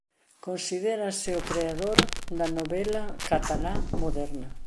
Considérase o creador da novela catalá moderna.